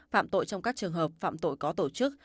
phạm tội trong các trường hợp phạm tội có tổ chức